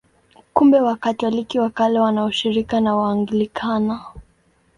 Kumbe Wakatoliki wa Kale wana ushirika na Waanglikana.